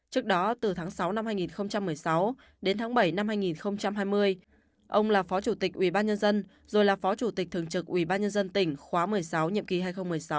trước đó từ tháng sáu năm hai nghìn một mươi sáu đến tháng bảy năm hai nghìn hai mươi ông là phó chủ tịch ủy ban nhân dân rồi là phó chủ tịch thường trực ủy ban nhân dân tỉnh khóa một mươi sáu nhiệm ký hai nghìn một mươi sáu hai nghìn hai mươi một